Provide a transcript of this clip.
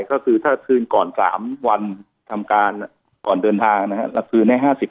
ก็คือถ้าคืนก่อน๓วันทำการก่อนเดินทางนะครับเราคืนให้๕๐